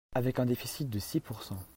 Avec un déficit de six pourcent